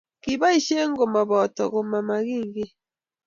Kiboishei kimaboto komamamagiiki